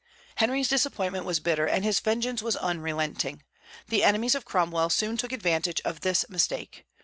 Henry's disappointment was bitter, and his vengeance was unrelenting. The enemies of Cromwell soon took advantage of this mistake.